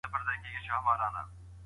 دروني ځواک مو د ژوند لارښود دی.